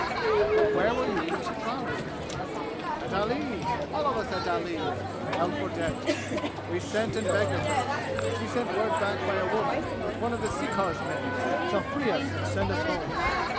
"But where were ye when she promised?" "At Ali's. All of us at Ali's held for debt. We sent and begged of her. She sent word back by a woman that one of the sirkar's men shall free us and send us home.